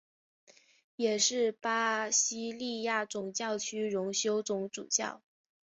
也是巴西利亚总教区荣休总主教。